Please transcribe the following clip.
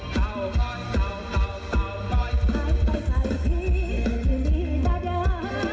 สวัสดีค่ะลุงพ่อค่ะ